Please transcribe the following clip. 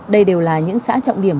đây đều là những xã trọng điểm